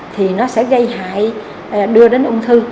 thì nó sẽ gây hại đưa đến ung thư